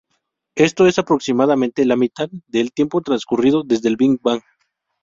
Esto es aproximadamente la mitad del tiempo transcurrido desde el Big Bang.